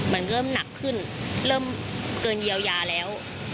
มันเริ่มหนักขึ้นเริ่มเกินเยียวยาแล้ว